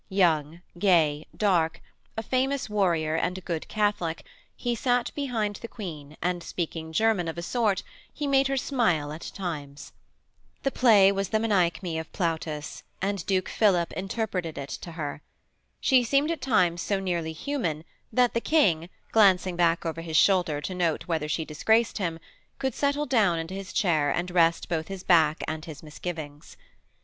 Young, gay, dark, a famous warrior and a good Catholic, he sat behind the Queen and speaking German of a sort he made her smile at times. The play was the Menechmi of Plautus, and Duke Philip interpreted it to her. She seemed at times so nearly human that the King, glancing back over his shoulder to note whether she disgraced him, could settle down into his chair and rest both his back and his misgivings.